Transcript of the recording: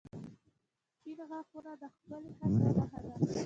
• سپین غاښونه د ښکلي خندا نښه ده.